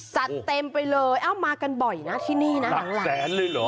จัดเต็มไปเลยเอ้ามากันบ่อยนะที่นี่นะหลักแสนเลยเหรอ